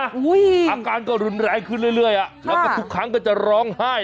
อาการก็รุนแรงขึ้นเรื่อยอ่ะแล้วก็ทุกครั้งก็จะร้องไห้